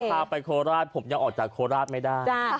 พาไปโคราชผมยังออกจากโคราชไม่ได้